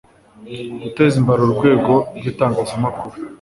guteza imbere urwego rw' itangazamakuru